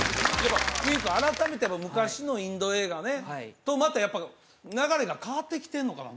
ウィン君改めて昔のインド映画ねとまたやっぱ流れが変わってきてんのかな？